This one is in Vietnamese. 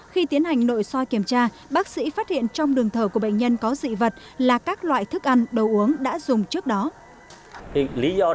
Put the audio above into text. khi tiến hành nội soi kiểm tra bác sĩ phát hiện trong đường thở của bệnh nhân có dị vật là các loại thức ăn đồ uống đã dùng trước đó